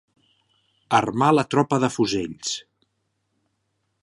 Armar la tropa de fusells.